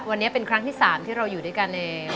วันนี้เป็นครั้งที่๓ที่เราอยู่ด้วยกันเอง